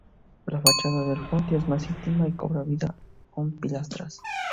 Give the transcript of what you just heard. La fachada del patio es más íntima y cobra vida con pilastras.